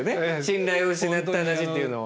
信頼を失った話っていうのは。